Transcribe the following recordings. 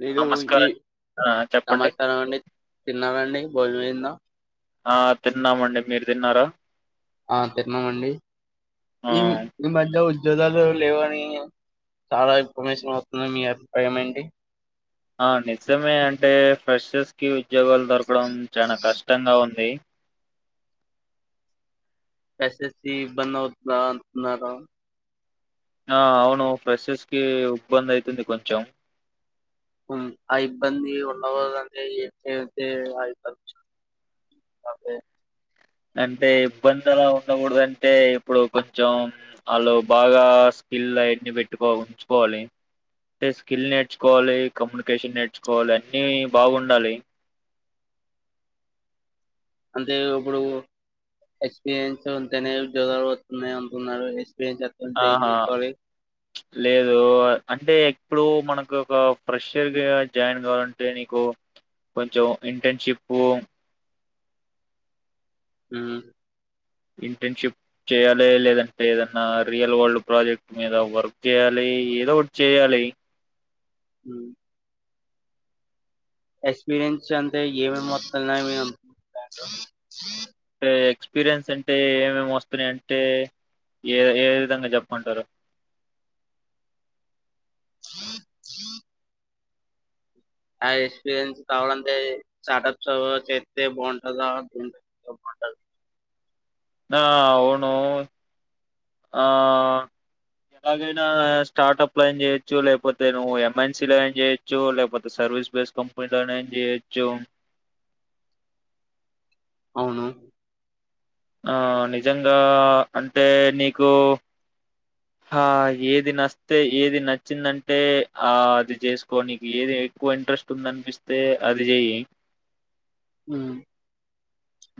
మీరు ఈ నమస్కారం. ఆ! చెప్పండి. సమాచారం అండి విన్నారండి. భోజనం అయిందా ఆ తిన్నామండి మీరు తిన్నారా ఆ తిన్నామండి. ఆ! [unintelligible] ఈ మధ్య జీతాలు లేవని చాలా ఇన్ఫర్మేషన్ వస్తుంది. మీ అభిప్రాయం ఏంటి ఆ అండి [unintelligible] ప్రశాష్ కి ఉద్యోగాలు దొరకడం చాల కష్టంగా ఉంది. ప్రేస్సెస్ కి ఇబ్బంది అవుతుందా అంటున్నార. ఆ అవును ఫ్రెసెస్ కి ఇబ్బంది అయితుంది కొంచెం ఆ ఇబ్బంది ఉండవలంటే ఎప్పుయితే ఆ ఇబ్బంది అంటే అంటే ఇబ్బందిలా ఉండకూడదు అంటే ఇప్పుడు కొంచెం వాళ్ళు బాగా స్కిల్ అని పెట్టుకో ఉంచుకోవాలి. అంటే స్కిల్ నేర్చుకోవాలి. కమ్యూనికేషన్ నేర్చుకోవాలి. అన్నిబాగుండాలి. అంటే ఇప్పుడు ఎక్స్పీరియన్స్ అంటేనే ఉద్యోగాలు వస్తున్నాయి అంటున్నారు. ఎక్స్పీరియన్స్ ఎట్లా ఉంటే ఏం ఆహా చేసుకోవాలి లేదు అంటే ఎప్పుడు మనకు ఒక ఫ్రెషర్గా జాయిన్ కావాలంటే నీకు కొంచెం ఇంటర్న్షిప్పు హు ఇంటర్న్షిప్ చేయాలి లేదంటే ఏదన్నా రియల్ వరల్డ్ ప్రాజెక్ట్ మీద వర్క్ చేయాలి ఏదో ఒకటి చేయాలి. హు ఎక్స్పీరియన్స్ అంటే ఏమే మొత్తలున్నా అ అంటే ఎక్స్పీరియన్స్ అంటే ఏమేమి వస్తున్నా అంటే ఏ ఏ విధంగా చెప్పుకుంటారు. [inaudible] ఆ ఎక్స్పీరియన్స్ కావాలంటే స్టార్ట్ప్స్ చేస్తే బాగుంటందా ద బాగుండద ఆ అవును ఆ అది నా స్టార్టప్ లో అయినా చేయొచ్చు, లేకపోతే నువ్వు ఎంఎన్సీలో ఐనా చేయొచ్చు, లేకపోతే సర్వీస్ బేస్ కంపెనీలో అయినా చేయొచ్చు. అవున ఆ నిజంగా అంటే నీకు ఆ ఏది నస్తే ఏది నచ్చిందంటే ఆ అది చేసుకో నీకు ఏది ఎక్కువ ఇంట్రెస్ట్ ఉందనిపిస్తే అది చె్యి. హు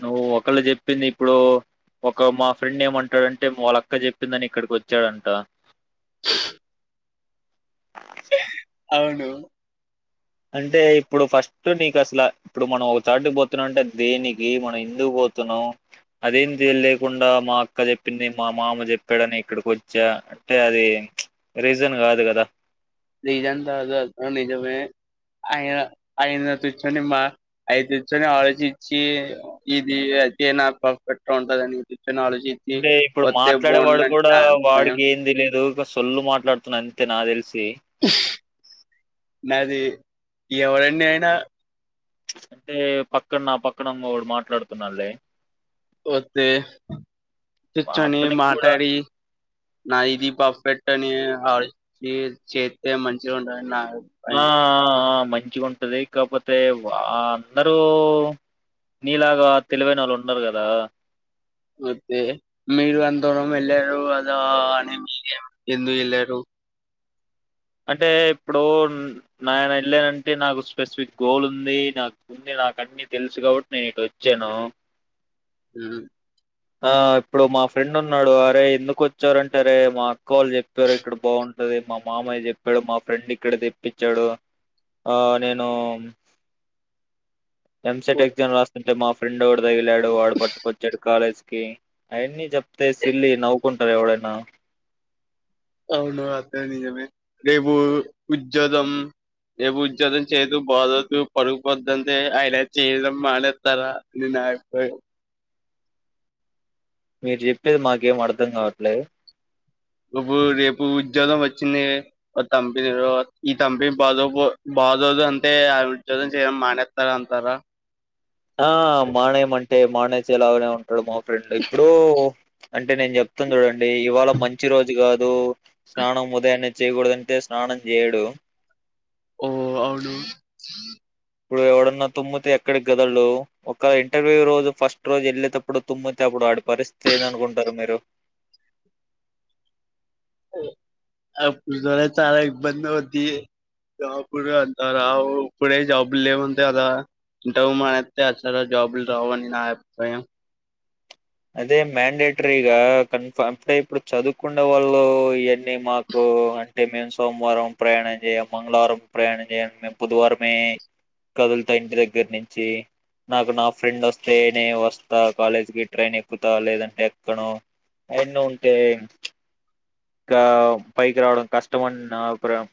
నువ్వు ఒక్కలు చెప్పింది ఇప్పుడు ఒక మా ఫ్రెండ్ ఏమంటాడంటే వాళ్ళ అక్క చెప్పిందని ఇక్కడికి వచ్చాడంట. [inaudible] [inaudible] అవును అంటే ఇప్పుడు ఫస్ట్ నీకు అసలు ఇప్పుడు మనం ఒక చాటుకి పోతున్నా అంటే దేనికి మనం ఎందుకు పోతున్నాం అదేమి తెలి లేకుండా మా అక్క చెప్పింది మా మామ చెప్పాడని ఇక్కడికి వచ్చా అంటే అది రీజన్ కాదు కదా నిజంతదు అ నిజమే ఆయన ఆయన కూర్చొని మా ఆయన చూర్చుని ఆలోచించి ఇది అయితే నా పర్ఫెక్ట్ ఉంటందిని అంటే ఇప్పుడు మాట్లాడే వాడు కూడా నా అభిప్రాయం వాడికి ఏం తెలిదు ఇ సొల్లు మాట్లాడుతున్నా అంతే నా తెలుసు తే నాది ఎవరన్న అయినా అంటే పక్కన నా పక్కనడు మాట్లాడుతున్నాలే ఒత్తే నించొని అతనికి కూడా మాట్లాడి నా ఇది పర్ఫెక్ట్ ని ఆలోచించి చేస్తే మంచిగా ఉంటదనినా ఆ ఆ మై మంచిగా ఉంటుది కాకపోతే అందరూ నీలాగా తెలివైనోళ్ళు ఉండరు కదా అయితే మీరు అంత దూరం వెళ్ళారు అదా అని మీరూ ఎందుకు వెళ్ళారు అంటే ఇప్పుడు నేను వెళ్ళానంటే నాకు స్పెసిఫిక్ గోల్ ఉంది నాకు ఉంది నాకు అన్నీ తెలుసు కాబట్టి నేను ఇటు వొచ్చాను హ ఆ ఇప్పుడు మా ఫ్రెండ్ ఉన్నాడు అరే ఎందుకు వచ్చారంటే రే మా అక్కాల్లు చెప్పారు ఇక్కడ బాగుంట మా మామయ చెప్పాడు మా ఫ్రెండ్ ఇక్కడ తెప్పించాడు ఆ నేను ఎంసెట్ ఉ- ఎగ్జామ్ రాస్తు మా ఫ్రెండ్ ఓడు తగిలాడు వాడు పట్టుకొచ్చాడు కాలేజ్ అవన్నీ చెప్తే సిల్లి నవ్వుకుంటారు ఎవడైనా అవును అంత నిజమే రేపు ఉద్యోగం రేపు ఉద్యోగం చేదు బాగోదు పడుకోద్దంటే అయన చేయడం మానేస్తారా అని నా అభిప్రాయం మీరు చెప్పేది మాకేం అర్ధం కావట్లే రేపు రేపు ఉద్యోగం వచ్చింది కంపెనీ ఈ కంపెనీ బాదో బాధోదు అంటే ఆ ఉద్యోగం చేయడం మానేస్తారు అంటారా ఆ మానే మంట మానేసే లాగానే ఇక్కడ మా ఫ్రెండ్ ఇప్పుడు అంటే నేను చెప్తును చూడండి అ ఇవాళ మంచి రోజు కాదు దో స్నానం ఉదయం చేయకూడదంటే స్నానం చేయడు ఓ అవును ఇప్పుడు ఎవడున్నా తుమ్మితే ఎక్కడికి కదలడు ఒక ఇంటర్వ్యూ రోజు ఫస్ట్ రోజు వెళ్ళేటప్పుడు తుమ్మితే అప్పుడు ఆడి పరిస్థితి ఏంది అనుకుంటారు మీరు అప్పుడు సరే చాలా ఇబ్బంది అవుద్ది జాబ్ అంత రావు ఇప్పుడే జాబులు లేవుంటే కదా [unintelligible] జాబులు రావు అని నా అభిప్రాయం అదే మ్యాండేటరీగా కన్ఫ అంటే ఇప్పుడు చదువుకున్న వాళ్ళు ఇవన్నీ మాకు అంటే మేము సోమవారం ప్రయాణం చేయము మంగళవారం ప్రయాణం చేయము మేము బుధవారమే కదులుతా ఇంటి దగ్గర నుంచి నాకు నా ఫ్రెండ్ వస్తేనే వస్తా కాలేజ్కి ట్రైన్ ఎక్కుతా లేదంటే ఎక్కనో ఎన్నో ఉంటే క పైకి రావడం కష్టమ నా అభిప్రాయం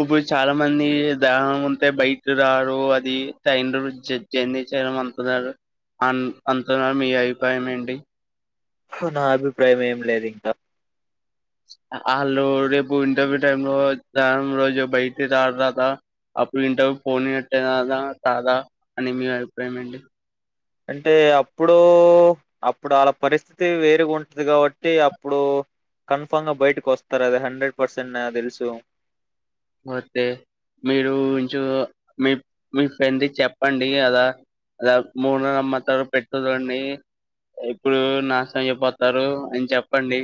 ఇప్పుడు చాలా మంది గ్రహణం ఉంటే బయట రారు అది [unintelligible] చేయడం అన్నారు అ అంటున్నారు మీ అభిప్రాయం ఏంటి నా అభిప్రాయం ఏం లేదు ఇంకా వాళ్ళు రేపు ఇంటర్వ్యూ టైమ్ లో గ్రహణం రోజు బయట రారు కదా అప్పుడు ఇంటర్వ్యూ ఫోన్ పెట్టదా రాదా అని మీ అభిప్రాయం ఏంటి అంటే అప్పుడు అప్పుడు వాళ్ళ పరిస్థితి వేరుగా ఉంటది కాబట్టి అప్పుడు కన్ఫామ్ గా బయటకి వస్తారు అది హండ్రెడ్ పర్సెంట్ నాకి తెలుసు ఓతే మీరు ఇంచ మీ మీ ఫ్రెం చెప్పండి అలా అలా మూడు నమ్మకాలు పెట్టదండి ఇప్పుడు నాశనం అయిపోతారు అని చెప్పండి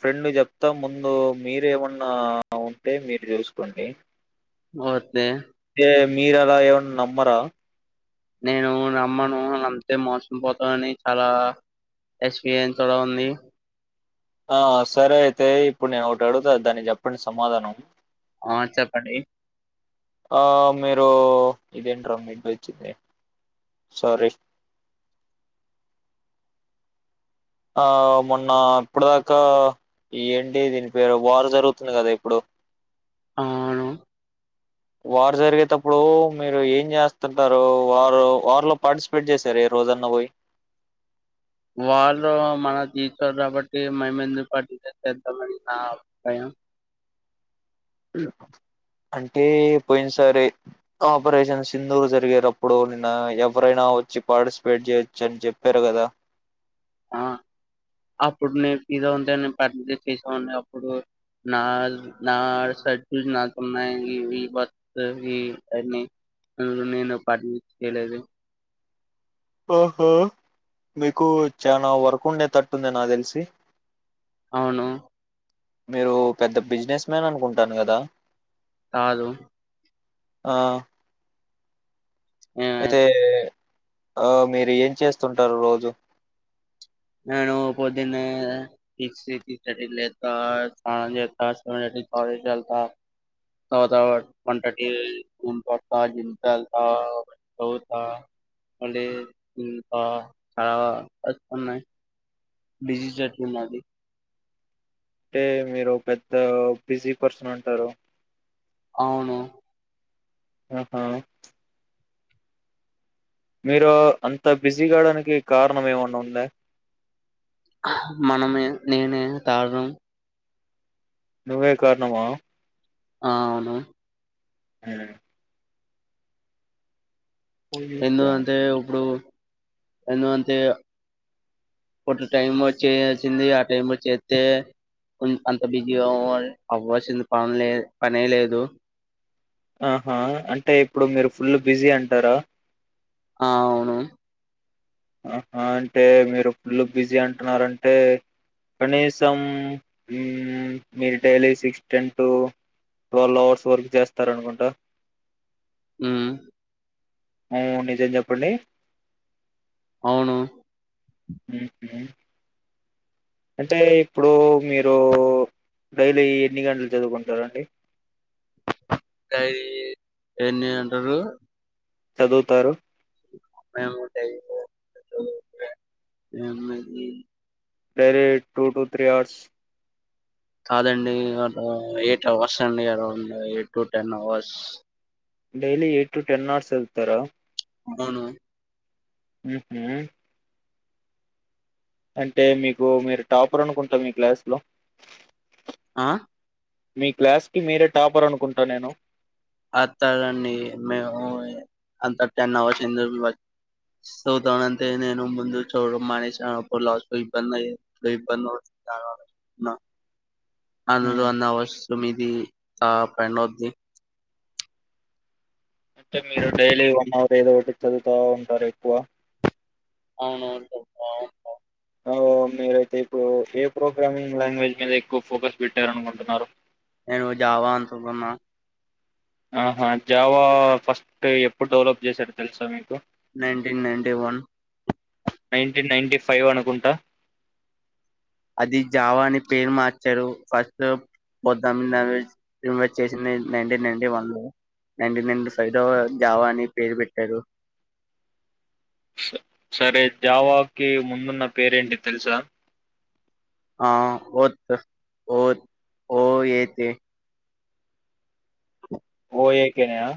ఫ్రెండ్ చెప్తా ముందు మీరేమన్నా ఉంటే మీరు చూసుకోండి ఓకే మీరలా ఏవన్న నమ్మరా నేను నమ్మను అంతే మోసం పోతానని చాలా ఎక్స్పీరియన్స్ కూడా ఉంది ఆ సరే అయితే ఇప్పుడు నేను ఒకటి అడుగుతా దాన్ని చెప్పండి సమాధానం ఆ చెప్పండి ఆ మీరు ఇదేంటరా మిడ్ వెజ్ ఇది సారీ ఆ మొన్న ఇప్పుడు దాకా ఈ ఏంటి దీని పేరు వారు జరుగుతుంది కదా ఇప్పుడు అవును వారు జరిగేటప్పుడు మీరు ఏం చేస్తుంటారు వారు వారిలో పార్టిసిపేట్ చేశారు ఏ రోజన్న పోయి వాళ్ళ మన తీస్తారు కాబట్టి మేము ఎందు పార్టీ చేేద్దామని నా అభిప్రాయం. అంటే పోయినసారి ఆపరేషన్ సింధూర్ జరిగేటప్పుడు, నిన్న ఎవరైనా వచ్చి పార్టిసిపేట్ చేయొచ్చు అని చెప్పారు కదా. ఆ అప్పుడు నేను ఇదో ఉంటేేను పార్టిసిపేట్ చేసేవాణ్ణి అప్పుడు నా నా స చ నాకున్నాయి ఈ ఈ బ ఈ అ నేను పార్టసిపెట్ చేయలేదు. ఒహో మీకు చాలా వర్క్ ఉండే తట్టుంది నాకు తెలిసి అవును మీరు పెద్ద బిజినెస్ మ్యాన్ అనుకుంటాను కదా. కాదు ఆ ఏ, అయితే ఆ మీరు ఏం చేస్తుంటారు రోజు నేను పొద్దిన్న సిక్స్, సిక్స్ థర్టీకి లేస్తా స్నానం చేస్తా, తర్వాత టాయిలెట్ కి వెళ్తా, వంట చేస్తా [unintelligible] బిజీ షెడ్యూల్ మాది అంటే మీరు పెద్ద బిజీ పర్సన్ అంటారు. అవును ఆహా మీరు అంత బిజీ కావడానికి కారణం ఏమన్నా ఉందా. మనమే, నేనే కారణం. నువ్వే కారణమా ఆ అవును ఊ ఉమ్. ఎందుకంటే ఇప్పుడు ఎందుకంటే ఒక టైం చేయాల్సింది. ఆ టైమ్ చేస్తే అంత బిజీగా అ అవ్వాల్సింది పనిలే పనే లేదు. ఆహా అంటే ఇప్పుడు మీరు ఫుల్ బిజీ అంటారా. ఆ అవును ఆహా అంటే మీరు ఫుల్లు బిజీ అంటున్నారంటే కనీసం మీరు daily six, ten to twelve hours work చేస్తారనుకుంటా. హుమ్మ్ ఉ నిజం చెప్పండి అవును హూ హూ అంటే ఇప్పుడు మీరు డైలీ ఎన్ని గంటలు చదువుకుంటారండి. డైరీ ఎన్ని అంటారు. చదువుతారు మేము daily [unintelligible] direct two two three hours. కాదండి. ఎయిట్ అవర్స్ అండి around eight to ten hours. Daily eight to ten hours వెళ్తారా. అవును ఉహు అంటే మీకు మీరు టాపర్ అనుకుంటా మీ క్లాస్లో ఆ మీ క్లాస్ కి మీరే టాపర్ అనుకుంటా నేను. అతా అండి మేము అంత టెన్ అవర్స్ టు థౌసండ్ అంతే ముందు చూడడం. మనేసను అప్పుడు లాస్ట్ లో ఇబ్బంది అవుతుంది అనుకున్న. అన్నరు హ్మ్. అవర్స్ మీది. తా పణది. అంటే మీరు డైలీ వన్ అవర్ ఏదో ఒకటి చదువుతా ఉంటారు ఎక్కువ. అవును అవును. అవో మీరైతే ఇప్పుడు ఏ ప్రోగ్రామింగ్ లాంగ్వేజ్ మీద ఎక్కువ ఫోకస్ పెట్టారనుకుంటున్నారు. నేను జావా అంతుకున్న. ఆహా జావా ఫస్ట్ ఎప్పుడు డేవలఫ్ జేశారు తెలుసా మీకు. Nineteen ninety one. Nineteen ninety five అనుకుంటా. అది జావా అని పేరు మార్చారు ఫస్ట్ పొద్దాం నవీస్ ఇన్వైట్ చేసింది. నైన్టీన్ నైన్టీ వన్లో నైన్టీన్ నైన్టీ ఫైవ్ లో జావా అని పేరు పెట్టారు. స సరే జావాకిి ముందున్న పేరేంటి తెలుసా. ఆ ఓత్ ఓత్ ఓ ఏతే. ఓ ఏకెనేనా